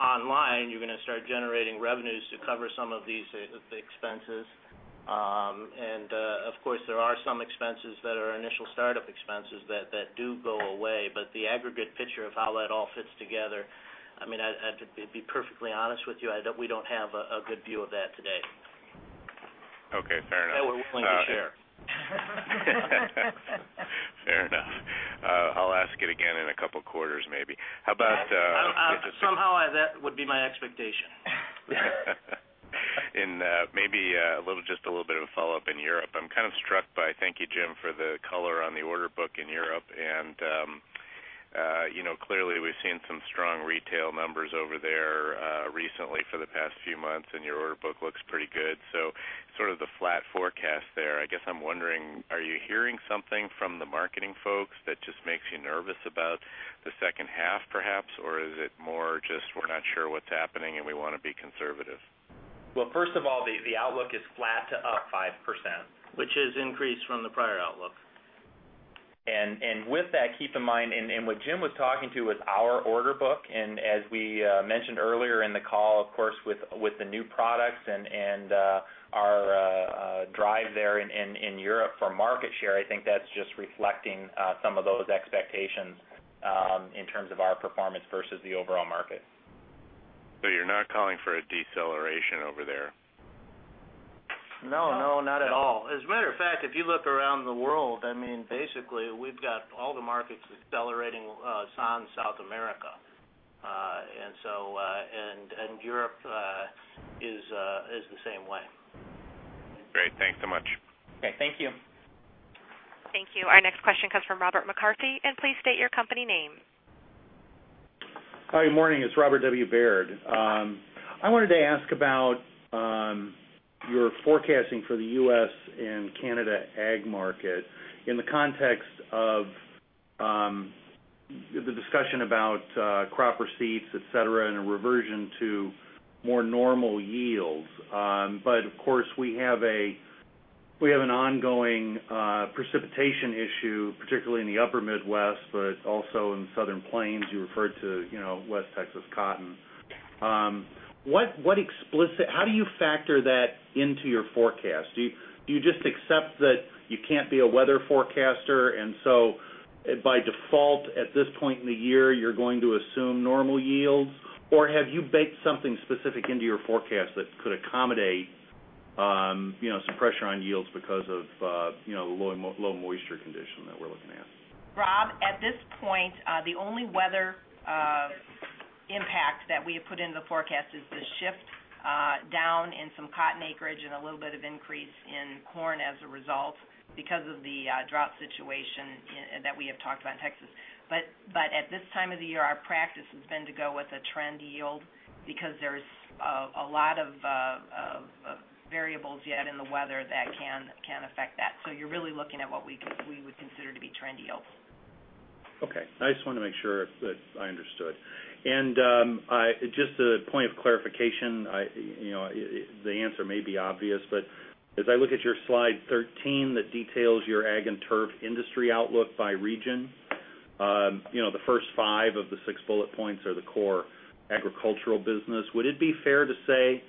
online, you're going to start generating revenues to cover some of these expenses. Of course, there are some expenses that are initial startup expenses that do go away. The aggregate picture of how that all fits together, to be perfectly honest with you, we don't have a good view of that today. Okay. Fair enough. That we're willing to share. Fair enough. I'll ask it again in a couple of quarters, maybe. How about that. Somehow, that would be my expectation. Maybe just a little bit of a follow-up in Europe. I'm kind of struck by, thank you, Jim, for the color on the order book in Europe. You know, clearly we've seen some strong retail numbers over there recently for the past few months, and your order book looks pretty good. Sort of the flat forecast there. I guess I'm wondering, are you hearing something from the marketing folks that just makes you nervous about the second half, perhaps, or is it more just we're not sure what's happening and we want to be conservative? First of all, the outlook is flat to up 5%, which is an increase from the prior outlook. With that, keep in mind, what Jim was talking to was our order book. As we mentioned earlier in the call, of course, with the new products and our drive there in Europe for market share, I think that's just reflecting some of those expectations in terms of our performance versus the overall market. You're not calling for a deceleration over there? No, not at all. As a matter of fact, if you look around the world, I mean, basically, we've got all the markets accelerating on South America. Europe is the same way. Great, thanks so much. Okay, thank you. Thank you. Our next question comes from Robert McCarthy, and please state your company name. Hi. Good morning. It's Robert W. Baird. I wanted to ask about your forecasting for the U.S. and Canada ag market in the context of the discussion about crop receipts, etc., and a reversion to more normal yields. Of course, we have an ongoing precipitation issue, particularly in the upper Midwest, but also in the southern plains. You referred to, you know, West Texas cotton. What explicit, how do you factor that into your forecast? Do you just accept that you can't be a weather forecaster and so by default at this point in the year, you're going to assume normal yields, or have you baked something specific into your forecast that could accommodate, you know, some pressure on yields because of, you know, the low moisture condition that we're looking at? Rob, at this point, the only weather impact that we have put into the forecast is the shift down in some cotton acreage and a little bit of increase in corn as a result because of the drought situation that we have talked about in Texas. At this time of the year, our practice has been to go with a trend yield because there's a lot of variables yet in the weather that can affect that. You're really looking at what we would consider to be trend yield. Okay. I just want to make sure that I understood. Just a point of clarification, you know, the answer may be obvious, but as I look at your slide 13 that details your ag and turf industry outlook by region, you know, the first five of the six bullet points are the core agricultural business. Would it be fair to say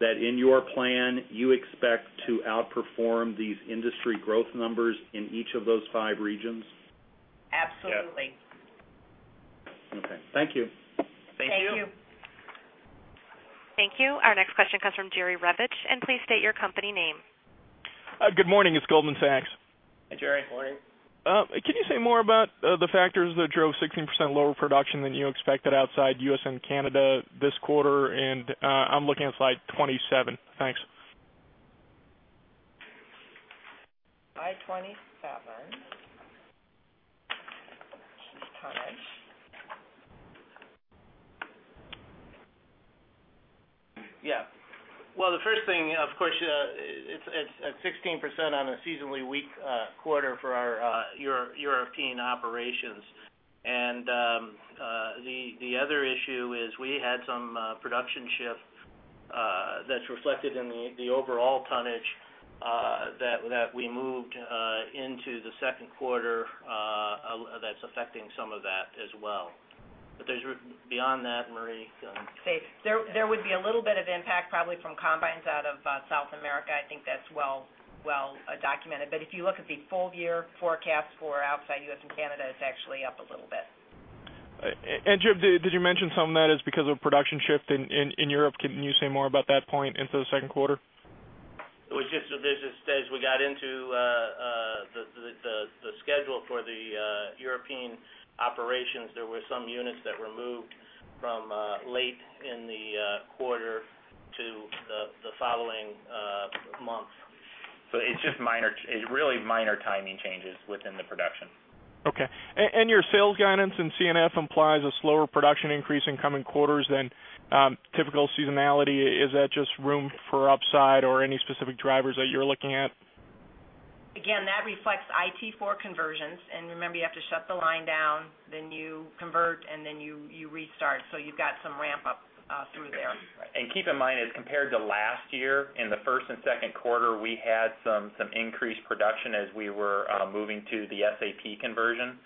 that in your plan, you expect to outperform these industry growth numbers in each of those five regions? Absolutely. Okay, thank you. Thank you. Thank you. Thank you. Our next question comes from Jerry Revich, and please state your company name. Good morning. It's Goldman Sachs. Hi, Jerry. Good morning. Can you say more about the factors that drove 16% lower production than you expected outside the U.S. and Canada this quarter? I'm looking at slide 27. Thanks. Slide 27. Change the tonnage. The first thing, of course, it's at 16% on a seasonally weak quarter for our European operations. The other issue is we had some production shift that's reflected in the overall tonnage that we moved into the second quarter that's affecting some of that as well. Beyond that, Marie. There would be a little bit of impact probably from combines out of South America. I think that's well documented. If you look at the full-year forecast for outside the U.S. and Canada, it's actually up a little bit. Jim, did you mention some of that is because of a production shift in Europe? Can you say more about that point into the second quarter? It was just as we got into the schedule for the European operations, there were some units that were moved from late in the quarter to the following month. It's just really minor timing changes within the production. Okay. Your sales guidance and C&F implies a slower production increase in coming quarters than typical seasonality. Is that just room for upside or any specific drivers that you're looking at? Again, that reflects IT for conversions. Remember, you have to shut the line down, then you convert, and then you restart. You've got some ramp-up through there. Keep in mind, as compared to last year, in the first and second quarter, we had some increased production as we were moving to the SAP conversion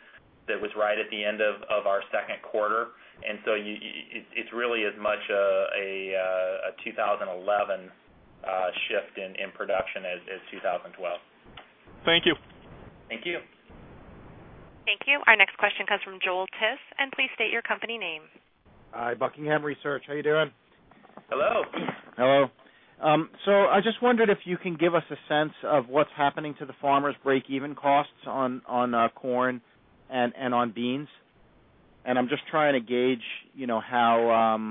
that was right at the end of our second quarter. It is really as much a 2011 shift in production as 2012. Thank you. Thank you. Thank you. Our next question comes from Joel Tiss, and please state your company name. Hi, Buckingham Research. How are you doing? Hello. Hello. I just wondered if you can give us a sense of what's happening to the farmers' break-even costs on corn and on beans. I'm just trying to gauge how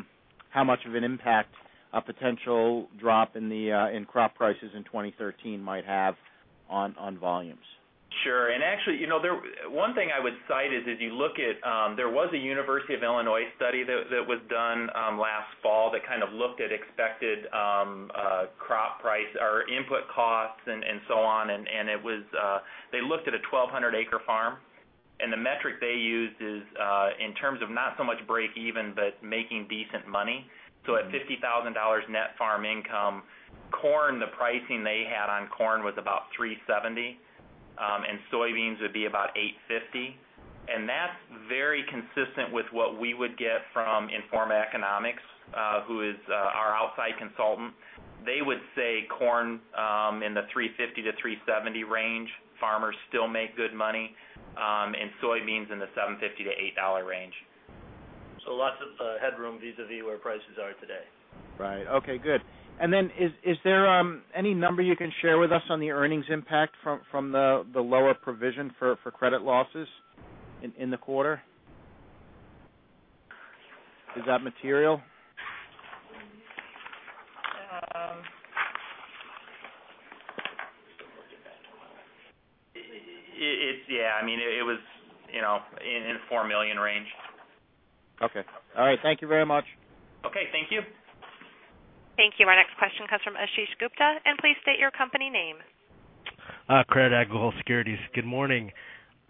much of an impact a potential drop in crop prices in 2013 might have on volumes. Sure. Actually, one thing I would cite is if you look at there was a University of Illinois study that was done last fall that kind of looked at expected crop price or input costs and so on. It was they looked at a 1,200-acre farm. The metric they used is in terms of not so much break-even, but making decent money. At $50,000 net farm income, corn, the pricing they had on corn was about $3.70, and soybeans would be about $8.50. That's very consistent with what we would get from Inform Economics, who is our outside consultant. They would say corn in the $3.50-$3.70 range, farmers still make good money, and soybeans in the $7.50-$8 range. is lots of headroom vis-à-vis where prices are today. Right. Okay, good. Is there any number you can share with us on the earnings impact from the lower provision for credit losses in the quarter? Is that material? Yeah, it was in the $4 million range. Okay. All right. Thank you very much. Okay, thank you. Thank you. Our next question comes from Ashish Gupta, and please state your company name. Credit Agricole Global Securities. Good morning.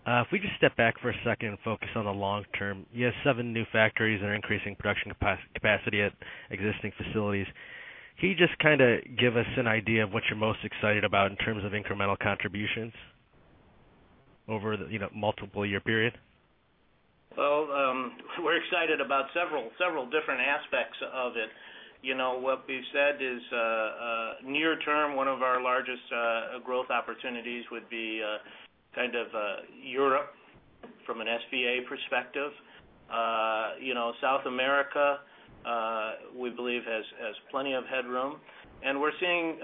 If we just step back for a second and focus on the long term, you have seven new factories and increasing production capacity at existing facilities. Can you just kind of give us an idea of what you're most excited about in terms of incremental contributions over the multiple-year period? We're excited about several different aspects of it. You know, what we've said is near term, one of our largest growth opportunities would be kind of Europe from an SBA perspective. You know, South America, we believe, has plenty of headroom. We're seeing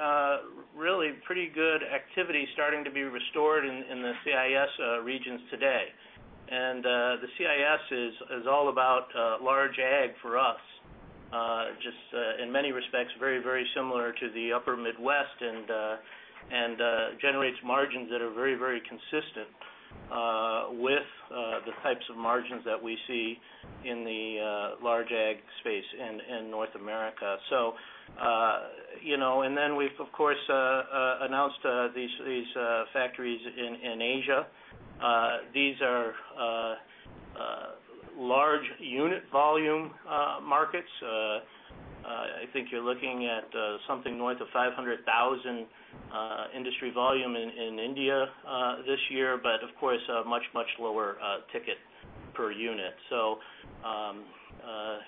really pretty good activity starting to be restored in the CIS regions today. The CIS is all about large ag for us, just in many respects, very, very similar to the upper Midwest and generates margins that are very, very consistent with the types of margins that we see in the large ag space in North America. You know, we've, of course, announced these factories in Asia. These are large unit volume markets. I think you're looking at something north of 500,000 industry volume in India this year, but of course, a much, much lower ticket per unit.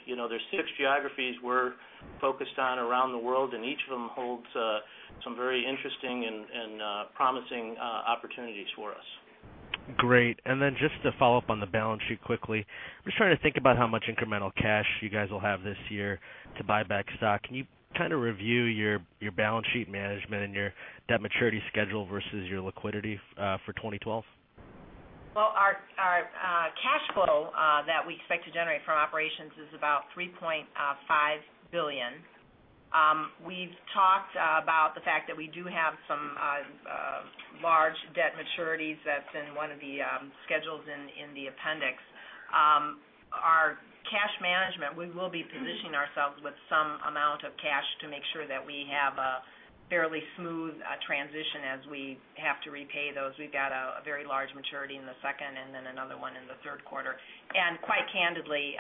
You know, there's six geographies we're focused on around the world, and each of them holds some very interesting and promising opportunities for us. Great. Just to follow up on the balance sheet quickly, I'm just trying to think about how much incremental cash you guys will have this year to buy back stock. Can you kind of review your balance sheet management and your debt maturity schedule versus your liquidity for 2012? Our cash flow that we expect to generate from operations is about $3.5 billion. We've talked about the fact that we do have some large debt maturities that's in one of the schedules in the appendix. Our cash management, we will be positioning ourselves with some amount of cash to make sure that we have a fairly smooth transition as we have to repay those. We've got a very large maturity in the second and then another one in the third quarter. Quite candidly,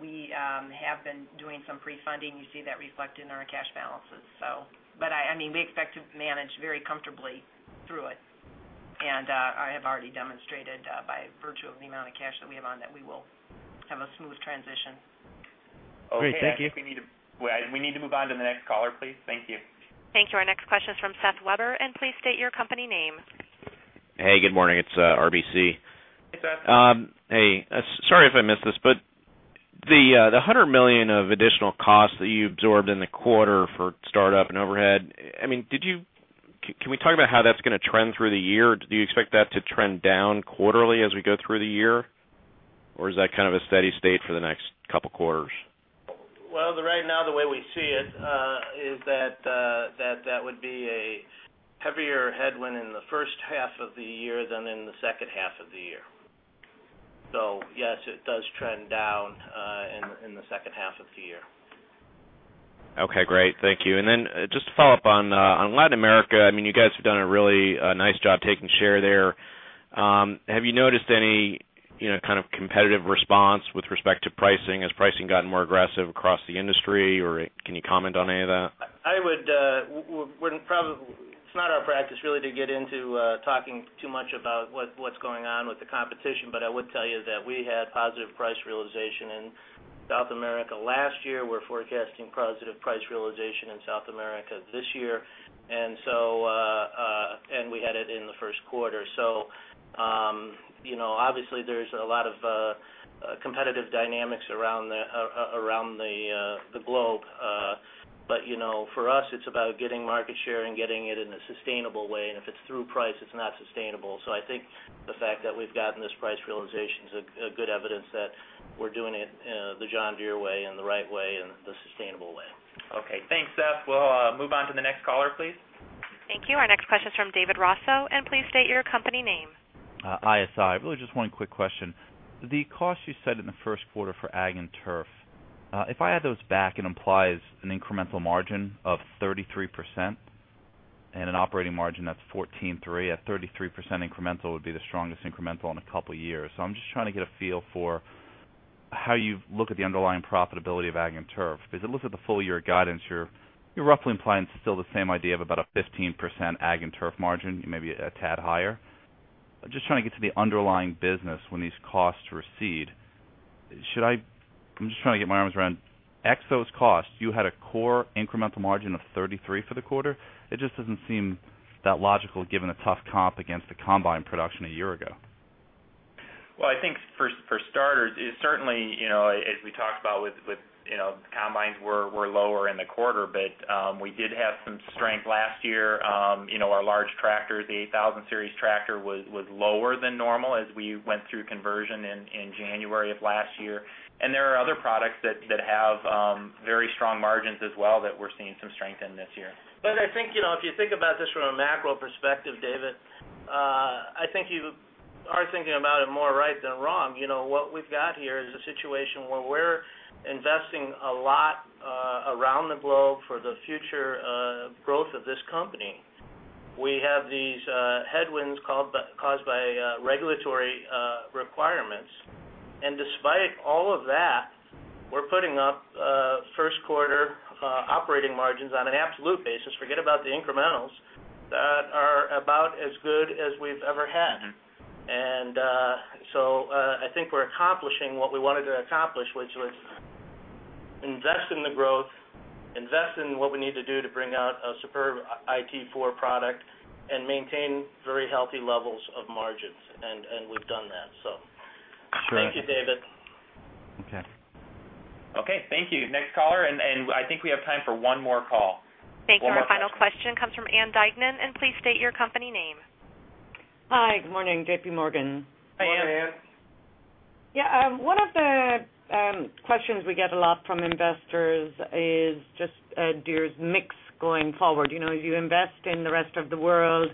we have been doing some pre-funding. You see that reflected in our cash balances. I mean, we expect to manage very comfortably through it. I have already demonstrated by virtue of the amount of cash that we have on that we will have a smooth transition. Okay, thank you. We need to move on to the next caller, please. Thank you. Thank you. Our next question is from Seth Weber, and please state your company name. Hey, good morning. It's RBC. Hey, Seth. Sorry if I missed this, but the $100 million of additional costs that you absorbed in the quarter for startup and overhead, can we talk about how that's going to trend through the year? Do you expect that to trend down quarterly as we go through the year, or is that kind of a steady state for the next couple of quarters? Right now, the way we see it is that that would be a heavier headwind in the first half of the year than in the second half of the year. Yes, it does trend down in the second half of the year. Okay, great. Thank you. Just to follow up on Latin America, you guys have done a really nice job taking share there. Have you noticed any kind of competitive response with respect to pricing as pricing got more aggressive across the industry, or can you comment on any of that? It's not our practice really to get into talking too much about what's going on with the competition, but I would tell you that we had positive price realization in South America last year. We're forecasting positive price realization in South America this year, and we had it in the first quarter. Obviously, there's a lot of competitive dynamics around the globe. For us, it's about getting market share and getting it in a sustainable way. If it's through price, it's not sustainable. I think the fact that we've gotten this price realization is good evidence that we're doing it the John Deere way and the right way and the sustainable way. Okay. Thanks, Seth. We'll move on to the next caller, please. Thank you. Our next question is from David Raso, and please state your company name. ISI. Really just one quick question. The cost you said in the first quarter for ag and turf, if I add those back, it implies an incremental margin of 33% and an operating margin that's 14.3%. A 33% incremental would be the strongest incremental in a couple of years. I'm just trying to get a feel for how you look at the underlying profitability of ag and turf. If you look at the full-year guidance, you're roughly implying still the same idea of about a 15% ag and turf margin, maybe a tad higher. I'm just trying to get to the underlying business when these costs recede. Should I, I'm just trying to get my arms around Exos costs. You had a core incremental margin of 33% for the quarter. It just doesn't seem that logical given the tough comp against the combine production a year ago. I think for starters, it's certainly, you know, as we talked about with combines, were lower in the quarter, but we did have some strength last year. You know, our large tractors, the 8000 series tractor was lower than normal as we went through conversion in January of last year. There are other products that have very strong margins as well that we're seeing some strength in this year. I think, you know, if you think about this from a macro perspective, David, I think you are thinking about it more right than wrong. You know, what we've got here is a situation where we're investing a lot around the globe for the future growth of this company. We have these headwinds caused by regulatory requirements. Despite all of that, we're putting up first-quarter operating margins on an absolute basis. Forget about the incrementals that are about as good as we've ever had. I think we're accomplishing what we wanted to accomplish, which was invest in the growth, invest in what we need to do to bring out a superb Interim Tier 4 engine product and maintain very healthy levels of margins. We've done that. Thank you, David. Okay. Okay. Thank you. Next caller. I think we have time for one more call. Thank you. Our final question comes from Ann Duignan, and please state your company name. Hi, good morning. JPMorgan. Hi, Ann. Hi, Ann. Yeah, one of the questions we get a lot from investors is just Deere's mix going forward. You know, as you invest in the rest of the world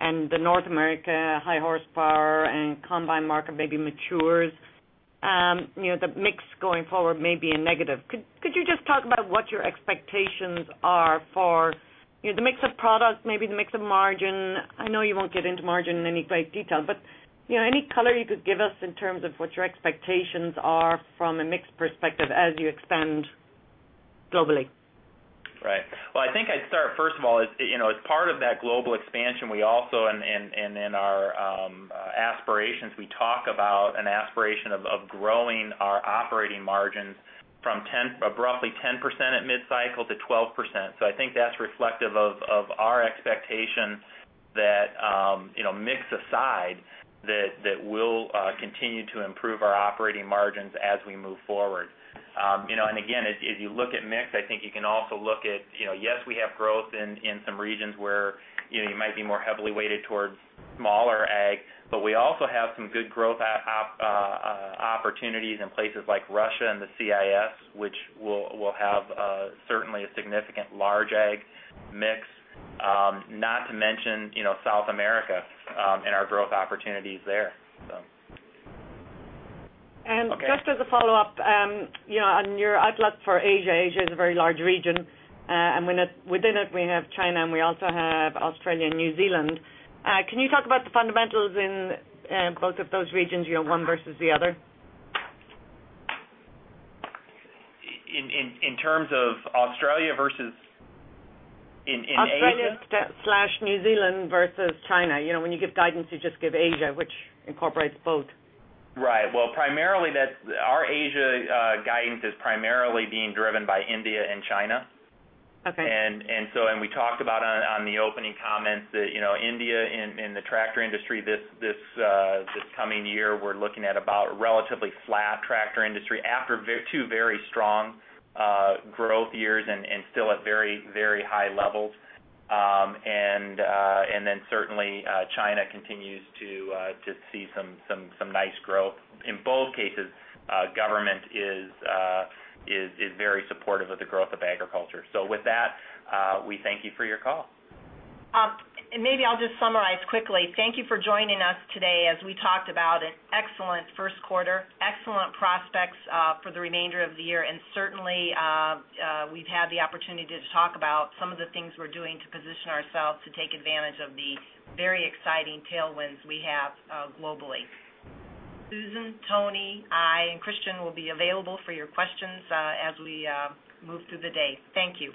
and the North America, high horsepower, and combine market maybe matures, you know, the mix going forward may be a negative. Could you just talk about what your expectations are for the mix of product, maybe the mix of margin? I know you won't get into margin in any great detail, but you know, any color you could give us in terms of what your expectations are from a mixed perspective as you expand globally? Right. I think I'd start, first of all, as part of that global expansion, we also, and in our aspirations, we talk about an aspiration of growing our operating margins from roughly 10% at mid-cycle to 12%. I think that's reflective of our expectation that, mix aside, that we'll continue to improve our operating margins as we move forward. Again, as you look at mix, I think you can also look at, yes, we have growth in some regions where you might be more heavily weighted towards smaller ag, but we also have some good growth opportunities in places like Russia and the CIS, which will have certainly a significant large ag mix, not to mention South America and our growth opportunities there. Just as a follow-up, you know, on your outlook for Asia, Asia is a very large region. Within it, we have China, and we also have Australia and New Zealand. Can you talk about the fundamentals in both of those regions, you know, one versus the other? In terms of Australia versus in Asia? Australia/New Zealand versus China. You know, when you give guidance, you just give Asia, which incorporates both. Right. Our Asia guidance is primarily being driven by India and China. Okay. We talked about in the opening comments that, you know, India in the tractor industry this coming year, we're looking at about a relatively flat tractor industry after two very strong growth years and still at very, very high levels. Certainly, China continues to see some nice growth. In both cases, government is very supportive of the growth of agriculture. With that, we thank you for your call. Thank you for joining us today as we talked about an excellent first quarter, excellent prospects for the remainder of the year. Certainly, we've had the opportunity to talk about some of the things we're doing to position ourselves to take advantage of the very exciting tailwinds we have globally. Susan, Tony, I, and Christian will be available for your questions as we move through the day. Thank you.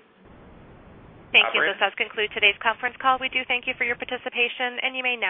Thank you. This does conclude today's conference call. We do thank you for your participation, and you may end.